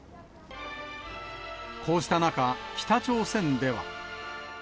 こうした中、北朝鮮では。